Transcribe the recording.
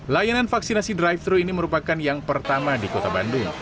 layanan vaksinasi drive thru ini merupakan yang pertama di kota bandung